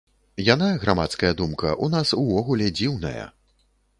Яна, грамадская думка, у нас увогуле дзіўная.